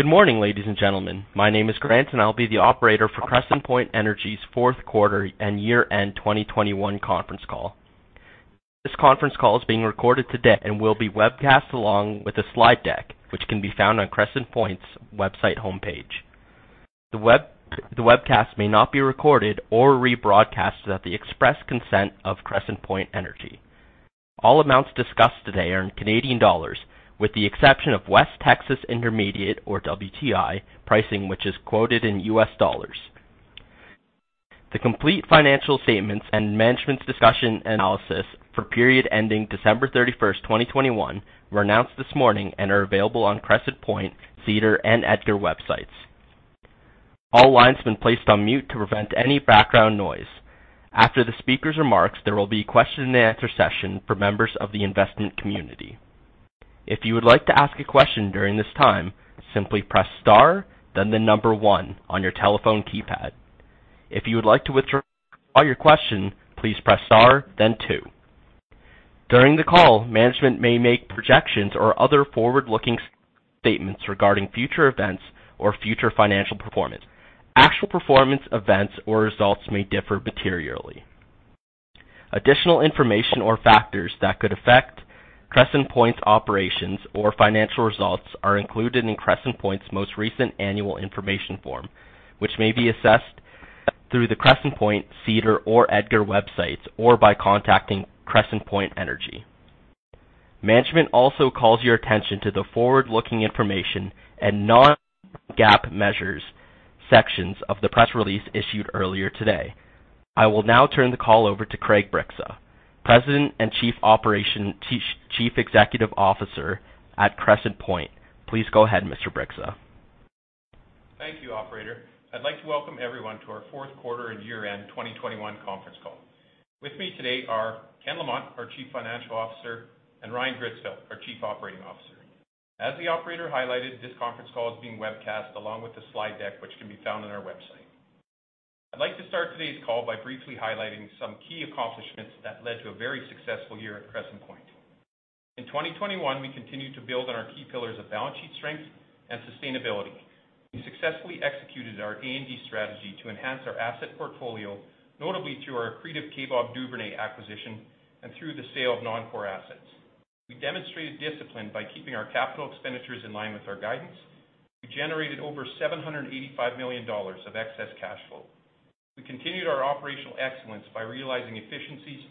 Good morning, ladies and gentlemen. My name is Grant, and I'll be the operator for Crescent Point Energy's fourth quarter and year-end 2021 conference call. This conference call is being recorded today and will be webcast along with a slide deck, which can be found on Crescent Point's website homepage. The webcast may not be recorded or rebroadcast without the express consent of Crescent Point Energy. All amounts discussed today are in Canadian dollars, with the exception of West Texas Intermediate or WTI pricing, which is quoted in US dollars. The complete financial statements and management's discussion and analysis for the period ending December 31st, 2021 were announced this morning and are available on Crescent Point, SEDAR, and EDGAR websites. All lines have been placed on mute to prevent any background noise. After the speaker's remarks, there will be a question and answer session for members of the investment community. If you would like to ask a question during this time, simply press star, then the number one on your telephone keypad. If you would like to withdraw your question, please press star, then two. During the call, management may make projections or other forward-looking statements regarding future events or future financial performance. Actual performance events or results may differ materially. Additional information or factors that could affect Crescent Point operations or financial results are included in Crescent Point's most recent annual information form, which may be accessed through the Crescent Point, SEDAR, or EDGAR websites or by contacting Crescent Point Energy. Management also calls your attention to the forward-looking information and non-GAAP measures sections of the press release issued earlier today. I will now turn the call over to Craig Bryksa, President and Chief Executive Officer at Crescent Point. Please go ahead, Mr. Bryksa. Thank you, operator. I'd like to welcome everyone to our fourth quarter and year-end 2021 conference call. With me today are Ken Lamont, our Chief Financial Officer, and Ryan Gritzfeldt, our Chief Operating Officer. As the operator highlighted, this conference call is being webcast along with the slide deck, which can be found on our website. I'd like to start today's call by briefly highlighting some key accomplishments that led to a very successful year at Crescent Point. In 2021, we continued to build on our key pillars of balance sheet strength and sustainability. We successfully executed our M&A strategy to enhance our asset portfolio, notably through our accretive Kaybob Duvernay acquisition and through the sale of non-core assets. We demonstrated discipline by keeping our capital expenditures in line with our guidance. We generated over 785 million dollars of excess cash flow. We continued our operational excellence by realizing efficiencies,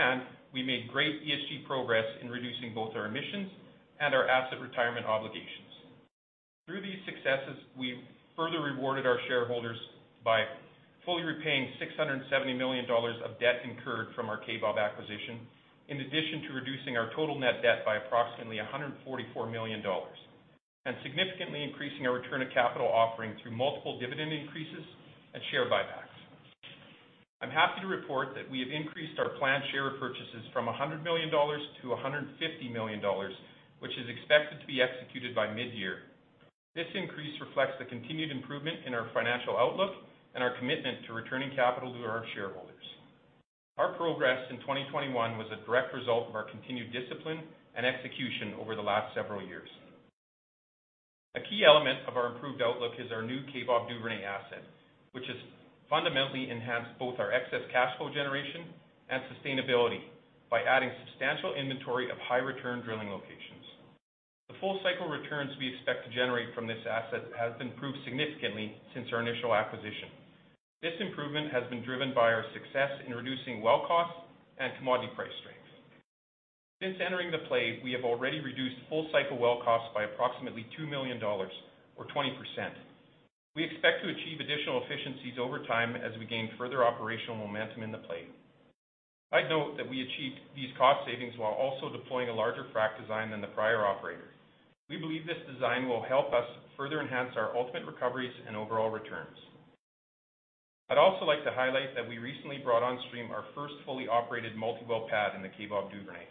and we made great ESG progress in reducing both our emissions and our asset retirement obligations. Through these successes, we further rewarded our shareholders by fully repaying 670 million dollars of debt incurred from our Kaybob acquisition, in addition to reducing our total net debt by approximately 144 million dollars, and significantly increasing our return of capital offering through multiple dividend increases and share buybacks. I'm happy to report that we have increased our planned share purchases from 100 million dollars to 150 million dollars, which is expected to be executed by mid-year. This increase reflects the continued improvement in our financial outlook and our commitment to returning capital to our shareholders. Our progress in 2021 was a direct result of our continued discipline and execution over the last several years. A key element of our improved outlook is our new Kaybob Duvernay asset, which has fundamentally enhanced both our excess cash flow generation and sustainability by adding substantial inventory of high return drilling locations. The full cycle returns we expect to generate from this asset has improved significantly since our initial acquisition. This improvement has been driven by our success in reducing well costs and commodity price strength. Since entering the play, we have already reduced full cycle well costs by approximately 2 million dollars or 20%. We expect to achieve additional efficiencies over time as we gain further operational momentum in the play. I'd note that we achieved these cost savings while also deploying a larger frack design than the prior operator. We believe this design will help us further enhance our ultimate recoveries and overall returns. I'd also like to highlight that we recently brought on stream our first fully operated multi-well pad in the Kaybob Duvernay.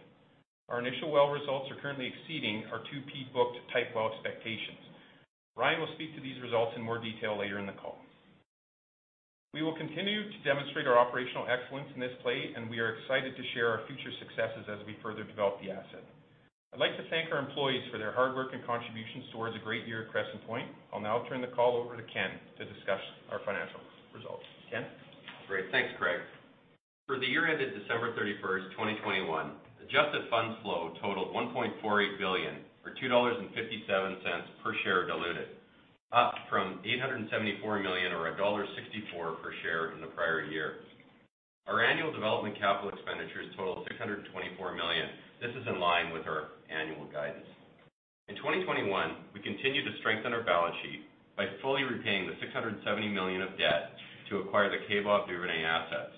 Our initial well results are currently exceeding our 2P booked type well expectations. Ryan will speak to these results in more detail later in the call. We will continue to demonstrate our operational excellence in this play, and we are excited to share our future successes as we further develop the asset. I'd like to thank our employees for their hard work and contributions towards a great year at Crescent Point. I'll now turn the call over to Ken to discuss our financial results. Ken? Great. Thanks, Craig. For the year ended December 31st, 2021, adjusted funds flow totaled 1.48 billion or 2.57 dollars per share diluted, up from 874 million or dollar 1.64 per share in the prior year. Our annual development capital expenditures totaled 624 million. This is in line with our annual guidance. In 2021, we continued to strengthen our balance sheet by fully repaying the 670 million of debt to acquire the Kaybob Duvernay assets,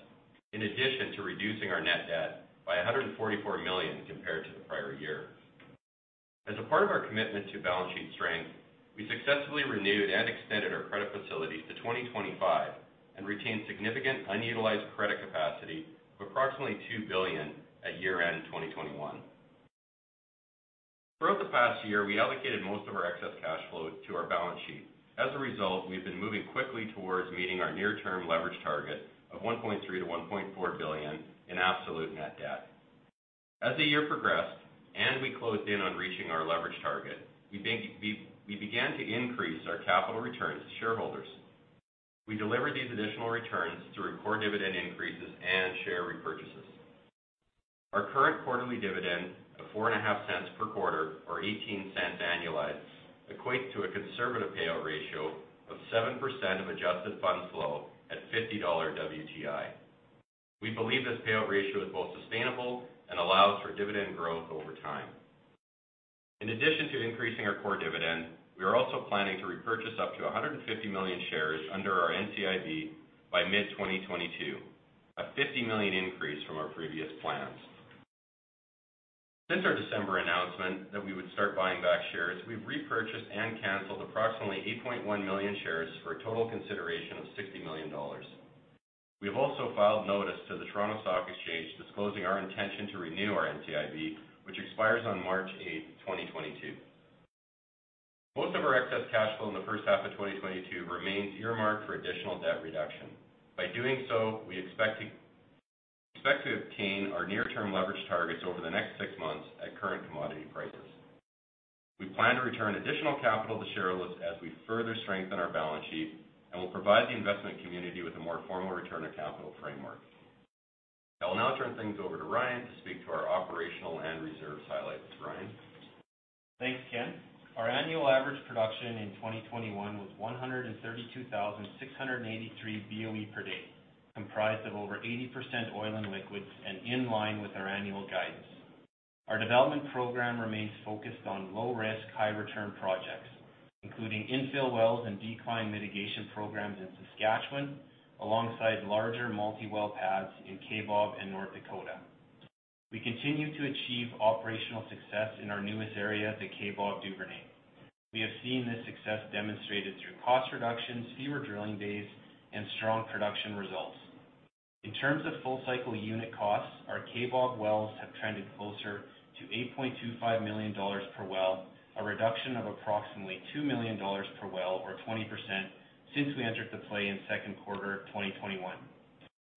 in addition to reducing our net debt by 144 million compared to the prior year. As a part of our commitment to balance sheet strength, we successfully renewed and extended our credit facilities to 2025 and retained significant unutilized credit capacity of approximately 2 billion at year-end 2021. Throughout the past year, we allocated most of our excess cash flow to our balance sheet. As a result, we've been moving quickly towards meeting our near-term leverage target of 1.3 billion-1.4 billion in absolute net debt. As the year progressed and we closed in on reaching our leverage target, we began to increase our capital returns to shareholders. We delivered these additional returns through core dividend increases and share repurchases. Our current quarterly dividend of 0.045 per quarter, or 0.18 annualized, equate to a conservative payout ratio of 7% of adjusted funds flow at $50 WTI. We believe this payout ratio is both sustainable and allows for dividend growth over time. In addition to increasing our core dividend, we are also planning to repurchase up to 150 million shares under our NCIB by mid-2022, a 50 million increase from our previous plans. Since our December announcement that we would start buying back shares, we've repurchased and canceled approximately 8.1 million shares for a total consideration of 60 million dollars. We have also filed notice to the Toronto Stock Exchange disclosing our intention to renew our NCIB, which expires on March 8th, 2022. Most of our excess cash flow in the first half of 2022 remains earmarked for additional debt reduction. By doing so, we expect to obtain our near-term leverage targets over the next six months at current commodity prices. We plan to return additional capital to shareholders as we further strengthen our balance sheet and will provide the investment community with a more formal return on capital framework. I will now turn things over to Ryan to speak to our operational and reserves highlights. Ryan? Thanks, Ken. Our annual average production in 2021 was 132,683 BOE per day, comprised of over 80% oil and liquids and in line with our annual guidance. Our development program remains focused on low-risk, high-return projects, including infill wells and decline mitigation programs in Saskatchewan, alongside larger multi-well pads in Kaybob in North Dakota. We continue to achieve operational success in our newest area, the Kaybob Duvernay. We have seen this success demonstrated through cost reductions, fewer drilling days, and strong production results. In terms of full cycle unit costs, our Kaybob wells have trended closer to 8.25 million dollars per well, a reduction of approximately 2 million dollars per well or 20% since we entered the play in second quarter of 2021.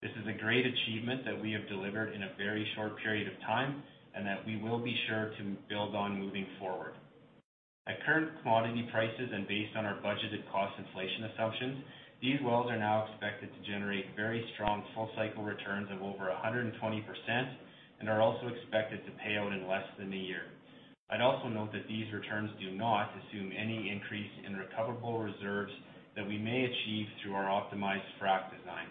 This is a great achievement that we have delivered in a very short period of time, and that we will be sure to build on moving forward. At current commodity prices and based on our budgeted cost inflation assumptions, these wells are now expected to generate very strong full cycle returns of over 120% and are also expected to pay out in less than a year. I'd also note that these returns do not assume any increase in recoverable reserves that we may achieve through our optimized frac design.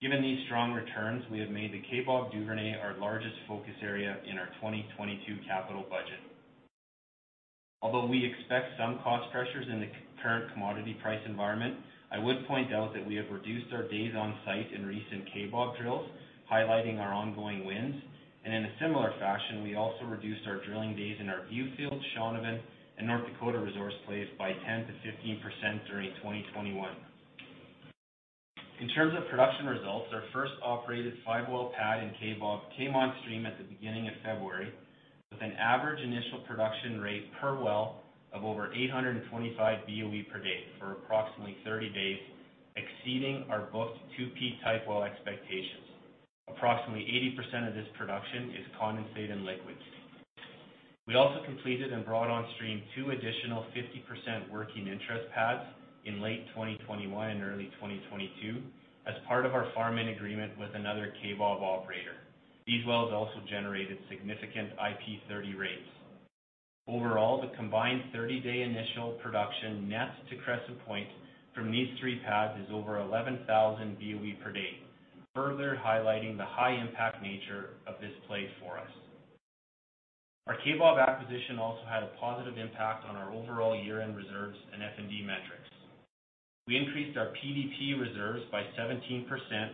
Given these strong returns, we have made the Kaybob Duvernay our largest focus area in our 2022 capital budget. Although we expect some cost pressures in the current commodity price environment, I would point out that we have reduced our days on site in recent Kaybob drills, highlighting our ongoing wins. In a similar fashion, we also reduced our drilling days in our Viewfield, Shaunavon, and North Dakota resource plays by 10%-15% during 2021. In terms of production results, our first operated five-well pad in Kaybob came on stream at the beginning of February with an average initial production rate per well of over 825 BOE per day for approximately 30 days, exceeding our booked 2P type well expectations. Approximately 80% of this production is condensate and liquids. We also completed and brought on stream two additional 50% working interest pads in late 2021 and early 2022 as part of our farm-in agreement with another Kaybob operator. These wells also generated significant IP 30 rates. Overall, the combined thirty-day initial production net to Crescent Point from these three pads is over 11,000 BOE per day, further highlighting the high impact nature of this play for us. Our Kaybob acquisition also had a positive impact on our overall year-end reserves and F&D metrics. We increased our PDP reserves by 17%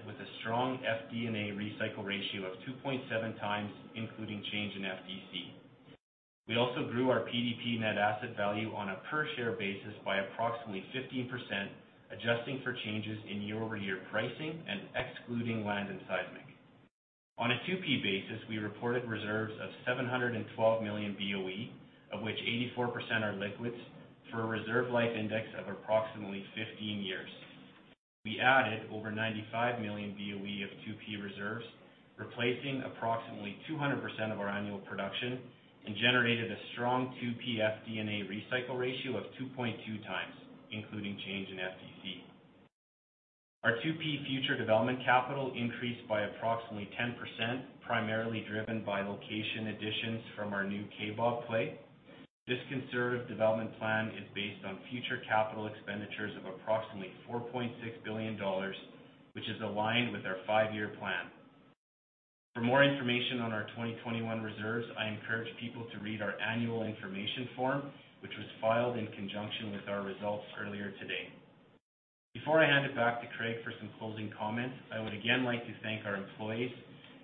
with a strong FD&A recycle ratio of 2.7x, including change in FDC. We also grew our PDP net asset value on a per share basis by approximately 15%, adjusting for changes in year-over-year pricing and excluding land and seismic. On a 2P basis, we reported reserves of 712 million BOE, of which 84% are liquids for a reserve life index of approximately 15 years. We added over 95 million BOE of 2P reserves, replacing approximately 200% of our annual production and generated a strong 2P FD&A recycle ratio of 2.2x, including change in FDC. Our 2P future development capital increased by approximately 10%, primarily driven by location additions from our new Kaybob play. This conservative development plan is based on future capital expenditures of approximately 4.6 billion dollars, which is aligned with our five-year plan. For more information on our 2021 reserves, I encourage people to read our annual information form, which was filed in conjunction with our results earlier today. Before I hand it back to Craig for some closing comments, I would again like to thank our employees,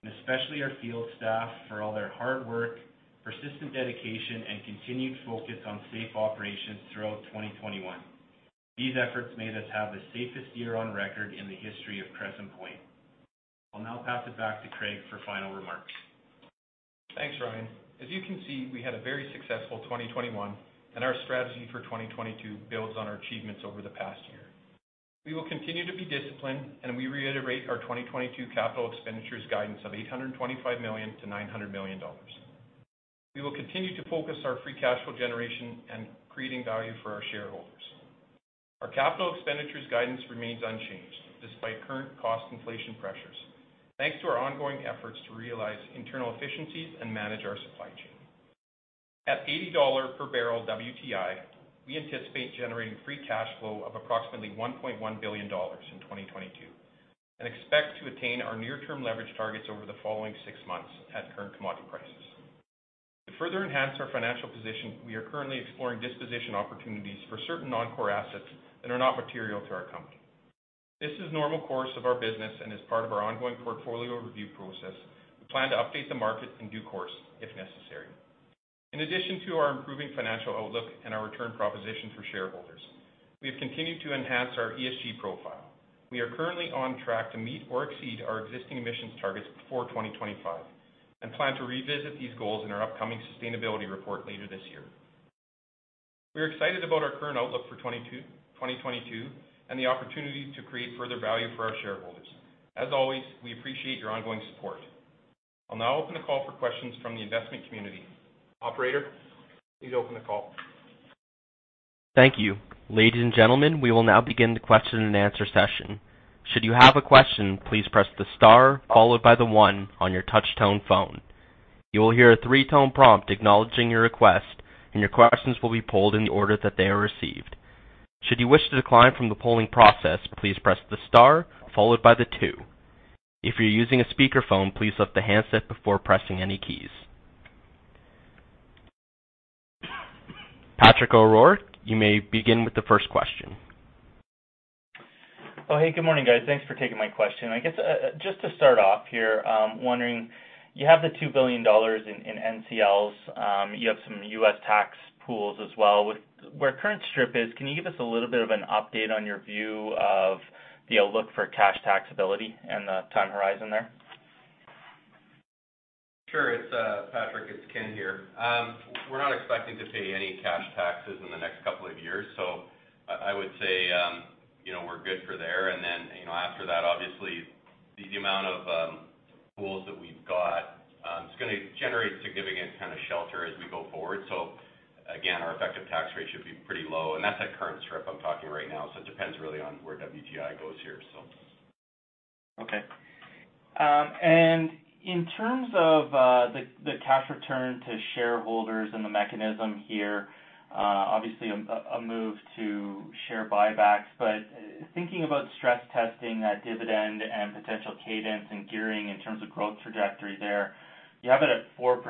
and especially our field staff, for all their hard work, persistent dedication, and continued focus on safe operations throughout 2021. These efforts made us have the safest year on record in the history of Crescent Point. I'll now pass it back to Craig for final remarks. Thanks, Ryan. As you can see, we had a very successful 2021. Our strategy for 2022 builds on our achievements over the past year. We will continue to be disciplined, and we reiterate our 2022 capital expenditures guidance of 825 million-900 million dollars. We will continue to focus our free cash flow generation and creating value for our shareholders. Our capital expenditures guidance remains unchanged despite current cost inflation pressures, thanks to our ongoing efforts to realize internal efficiencies and manage our supply chain. At $80 per barrel WTI, we anticipate generating free cash flow of approximately 1.1 billion dollars in 2022 and expect to attain our near-term leverage targets over the following six months at current commodity prices. To further enhance our financial position, we are currently exploring disposition opportunities for certain non-core assets that are not material to our company. This is normal course of our business and is part of our ongoing portfolio review process. We plan to update the market in due course if necessary. In addition to our improving financial outlook and our return proposition for shareholders, we have continued to enhance our ESG profile. We are currently on track to meet or exceed our existing emissions targets before 2025 and plan to revisit these goals in our upcoming sustainability report later this year. We are excited about our current outlook for 2022 and the opportunity to create further value for our shareholders. As always, we appreciate your ongoing support. I'll now open the call for questions from the investment community. Operator, please open the call. Thank you. Ladies and gentlemen, we will now begin the question and answer session. Should you have a question, please press the star followed by the one on your touch tone phone. You will hear a three-tone prompt acknowledging your request, and your questions will be pulled in the order that they are received. Should you wish to decline from the polling process, please press the star followed by the two. If you're using a speakerphone, please lift the handset before pressing any keys. Patrick O'Rourke, you may begin with the first question. Oh, hey, good morning, guys. Thanks for taking my question. I guess, just to start off here, wondering you have the 2 billion dollars in NCLs. You have some U.S. tax pools as well. With where current strip is, can you give us a little bit of an update on your view of the outlook for cash taxability and the time horizon there? Sure. It's Patrick, it's Ken here. We're not expecting to pay any cash taxes in the next couple of years, so I would say, you know, we're good for there. You know, after that, obviously the amount of pools that we've got, it's gonna generate significant kind of shelter as we go forward. Again, our effective tax rate should be pretty low. That's at current strip I'm talking right now. It depends really on where WTI goes here, so. Okay. In terms of the cash return to shareholders and the mechanism here, obviously a move to share buybacks. Thinking about stress testing that dividend and potential cadence and gearing in terms of growth trajectory there, you have it at 4%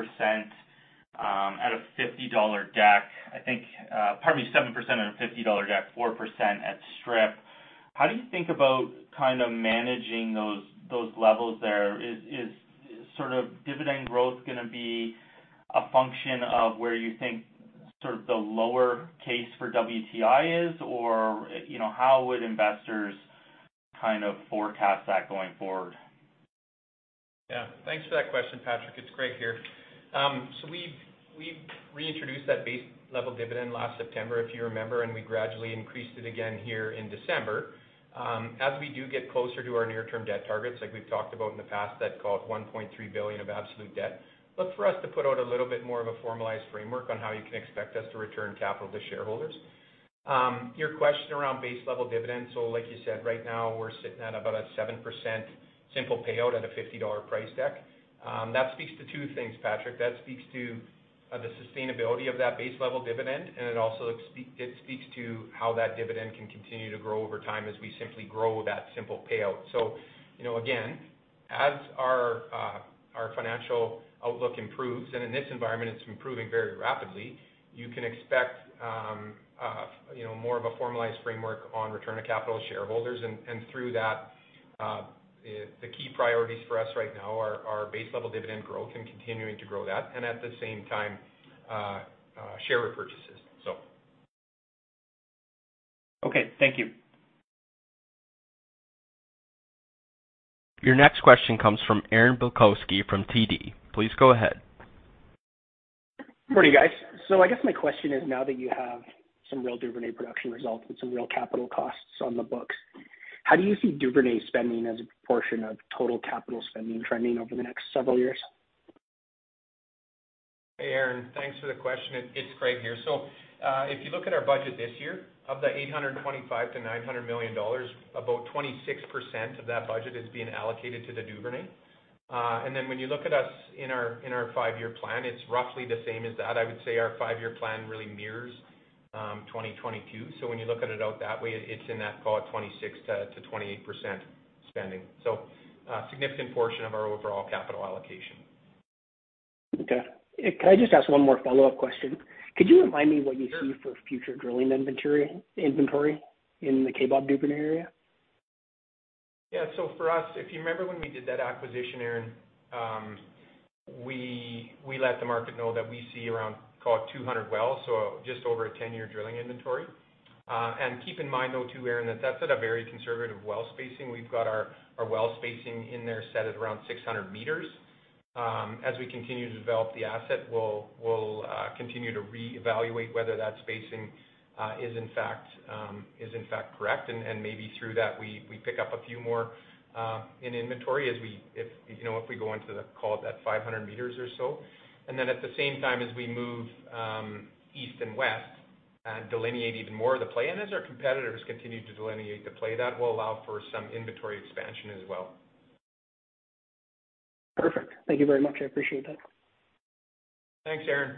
at a $50 deck, I think, probably 7% at a $50 deck, 4% at strip. How do you think about kind of managing those levels there? Is sort of dividend growth gonna be a function of where you think sort of the low case for WTI is? Or, you know, how would investors kind of forecast that going forward? Yeah, thanks for that question, Patrick. It's Craig here. We've reintroduced that base level dividend last September, if you remember, and we gradually increased it again here in December. As we do get closer to our near term debt targets, like we've talked about in the past, that call it 1.3 billion of absolute debt. Look for us to put out a little bit more of a formalized framework on how you can expect us to return capital to shareholders. Your question around base level dividends. Like you said, right now we're sitting at about a 7% simple payout at a $50 price deck. That speaks to two things, Patrick. That speaks to the sustainability of that base level dividend, and it also speaks to how that dividend can continue to grow over time as we simply grow that simple payout. You know, again, as our financial outlook improves, and in this environment it's improving very rapidly, you can expect, you know, more of a formalized framework on return of capital to shareholders. Through that, the key priorities for us right now are base level dividend growth and continuing to grow that and at the same time, share repurchases. Okay, thank you. Your next question comes from Aaron Bilkoski from TD. Please go ahead. Morning, guys. I guess my question is, now that you have some real Duvernay production results and some real capital costs on the books, how do you see Duvernay spending as a portion of total capital spending trending over the next several years? Hey, Aaron. Thanks for the question. It's Craig here. If you look at our budget this year, of the 825 million-900 million dollars, about 26% of that budget is being allocated to the Duvernay. When you look at us in our five-year plan, it's roughly the same as that. I would say our five-year plan really mirrors 2022. When you look at it out that way, it's in that call it 26%-28% spending. A significant portion of our overall capital allocation. Okay. Can I just ask one more follow-up question? Sure. Could you remind me what you see for future drilling inventory in the Kaybob Duvernay area? Yeah. For us, if you remember when we did that acquisition, Aaron, we let the market know that we see around call it 200 wells, so just over a 10-year drilling inventory. Keep in mind though too, Aaron, that that's at a very conservative well spacing. We've got our well spacing in there set at around 600 m. As we continue to develop the asset, we'll continue to reevaluate whether that spacing is in fact correct. Maybe through that we pick up a few more in inventory as we if you know if we go into the call it at 500 meters or so. Then at the same time as we move east and west delineate even more of the play. As our competitors continue to delineate the play, that will allow for some inventory expansion as well. Perfect. Thank you very much. I appreciate that. Thanks, Aaron.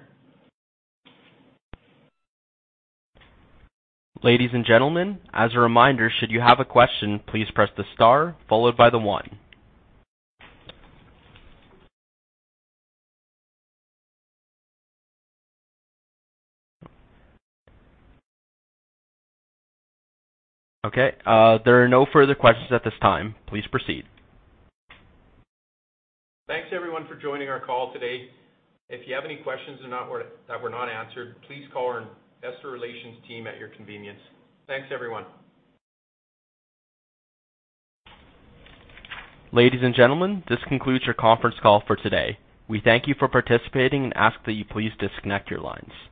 Ladies and gentlemen, as a reminder, should you have a question, please press the star followed by the one. Okay. There are no further questions at this time. Please proceed. Thanks everyone for joining our call today. If you have any questions that were not answered, please call our investor relations team at your convenience. Thanks, everyone. Ladies and gentlemen, this concludes your conference call for today. We thank you for participating and ask that you please disconnect your lines.